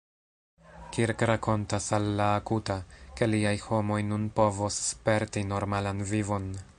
Kirk rakontas al la Akuta, ke liaj homoj nun povos sperti normalan vivon.